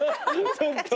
ちょっと。